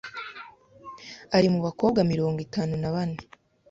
ari mu bakobwa mirongo itanu nabane